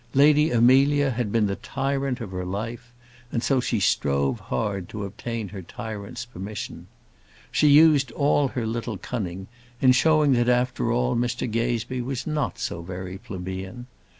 Lady Amelia had been the tyrant of her life, and so she strove hard to obtain her tyrant's permission. She used all her little cunning in showing that, after all, Mr Gazebee was not so very plebeian.